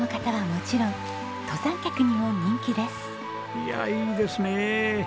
いやいいですねえ。